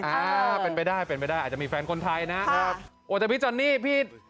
อ่าเป็นไปได้เป็นไปได้อาจจะมีแฟนคนไทยนะครับโอ้แต่พี่จอนนี่พี่